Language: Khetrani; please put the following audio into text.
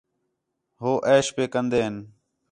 ہو عیش پئے کندین